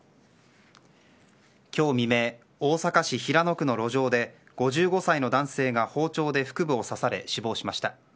今日未明、大阪市平野区の路上で５５歳の男性が包丁で腹部を刺され死亡しました。